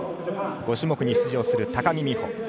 ５種目に出場する高木美帆。